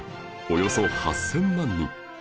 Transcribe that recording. およそ８０００万人